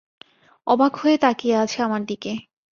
অবাক হয়ে তাকিয়ে আছে আমার দিকে।